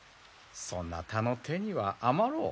そなたの手には余ろう。